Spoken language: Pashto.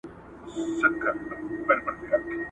په ډول ډول چلونو او ځورونو به یې